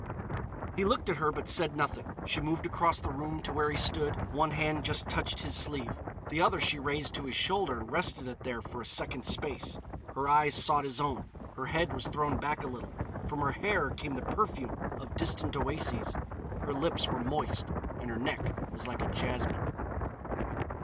He looked at her but said nothing. She moved across the room to where he stood; one hand just touched his sleeve, the other she raised to his shoulder and rested it there for a second's space. Her eyes sought his own, her head was thrown back a little, from her hair came the perfume of distant oases, her lips were moist and her neck was like a jasmine.